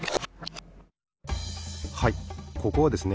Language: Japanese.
はいここはですね